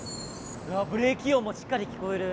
ブレーキ音もしっかり聞こえる。